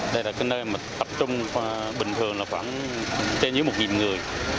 đây là nơi tập trung bình thường khoảng trên dưới một người